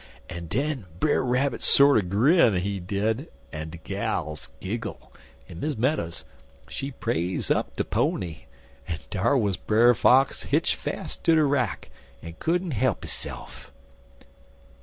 "En den Brer Rabbit sorter grin, he did, en de gals giggle, en Miss Meadows, she praise up de pony, en dar wuz Brer Fox hitch fas' ter de rack, en couldn't he'p hisse'f."